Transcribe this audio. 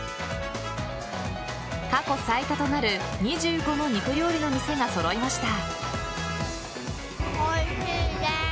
過去最多となる２５の肉料理の店が揃いました。